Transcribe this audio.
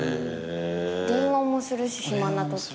電話もするし暇なとき。